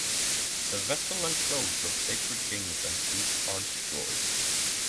The vessels and clothes of sacred kings and chiefs are destroyed.